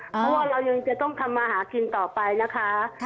เพราะว่าเรายังจะต้องทำมาหากินต่อไปนะคะ